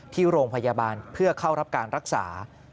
ที่โรงพยาบาลเพื่อเข้ารับการรักษา